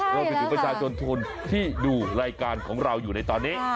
บทมือบจทนทนที่ดูรายการของเราอยู่ในตอนนี้